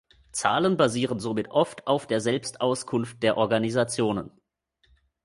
Zahlen basieren somit oft auf der Selbstauskunft der Organisationen.